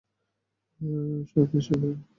সামনে এসে বসো।